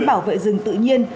bảo vệ rừng tự nhiên